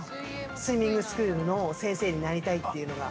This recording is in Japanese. スイミングスクールの先生になりたいっていうのが。